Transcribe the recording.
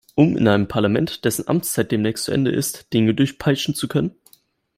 Um in einem Parlament, dessen Amtszeit demnächst zu Ende ist, Dinge durchpeitschen zu können?